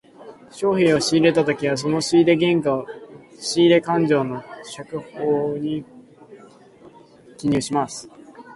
商品を仕入れたときはその仕入れ原価を、仕入れ勘定の借方に記入します。